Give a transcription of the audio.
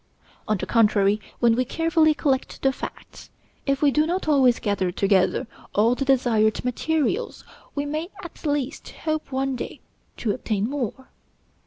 On the contrary, when we carefully collect the facts, if we do not always gather together all the desired materials, we may at least hope one day to obtain more.